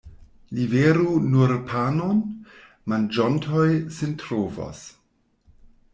Liveru nur panon, manĝontoj sin trovos.